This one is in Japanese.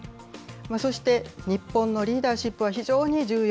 そして、日本のリーダーシップは非常に重要。